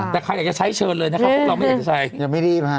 แต่ใครอยากจะใช้เชิญเลยนะครับพวกเราไม่อยากจะใช้